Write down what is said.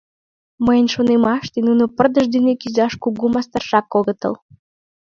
— Мыйын шонымаште нуно пырдыж дене кӱзаш кугу мастаржак огытыл.